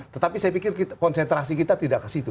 tetapi saya pikir konsentrasi kita tidak ke situ